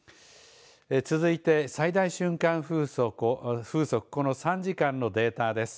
続いて、最大瞬間風速この３時間のデータです。